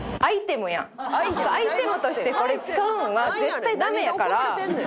アイテムとしてこれ使うんは絶対ダメやから。